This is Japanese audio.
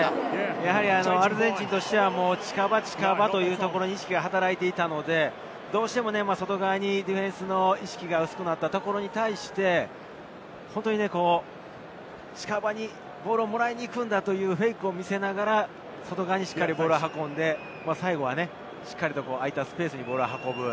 アルゼンチンとしては近場、近場というところに意識が働いていたので、どうしても外側にディフェンスの意識が薄くなったところに対して、近場にボールをもらいに行くんだというフェイクを見せながら、外側にボールを挟んで、空いたスペースにボールを運ぶ。